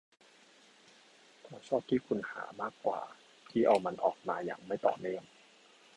เราชอบที่คุณหามากกว่าที่เอามันออกมาอย่างไม่ต่อเนื่อง